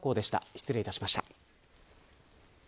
失礼いたしました。